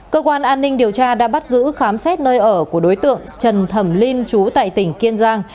cơ quan an ninh điều tra đã bắt giữ khám xét nơi ở của đối tượng trần thẩm linh trú tại tỉnh kiên giang